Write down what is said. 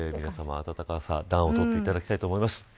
暖を取っていただきたいと思います。